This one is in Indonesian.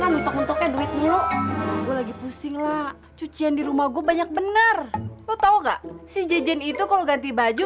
gue lagi pusing lah cucian di rumah gue banyak bener lo tahu nggak si jj itu kalau ganti baju